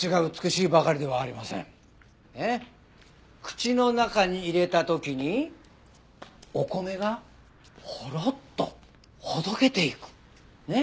口の中に入れた時にお米がホロッとほどけていく。